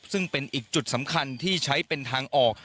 ซึ่งเป็นอีกจุดสำคัญที่ใช้เป็นทางออก